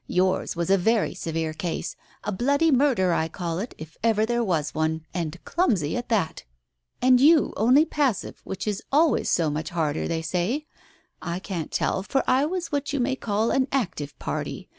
Yours was a very severe case ! A bloody murder, I call it, if ever there was one, and clumsy at that ! And you only passive, which is always so much harder, they say 1 I can't tell, for I was what you may call an active party.